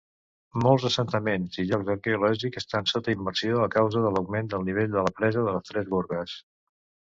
Molts assentaments i llocs arqueològics estan sota immersió a causa de l'augment del nivell de la presa de les Tres Gorgues.